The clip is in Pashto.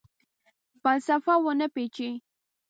فلسفه ونه پیچي